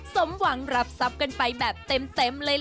สมหวังรับทรัพย์กันไปแบบเต็มเลยล่ะ